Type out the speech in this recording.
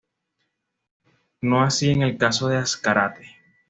No así en el caso de Azcárate.